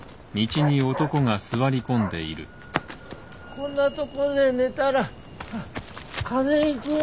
こんなとこで寝たら風邪ひくよ。